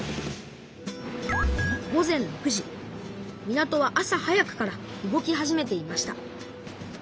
港は朝早くから動き始めていました。